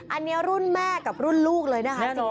อันนี้รุ่นแม่กับรุ่นลูกเลยนะคะ